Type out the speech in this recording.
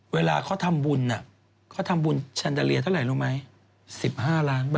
เวลาเขาทำบุญเขาทำบุญแชนดาเลียเท่าไหร่รู้ไหม๑๕ล้านบาท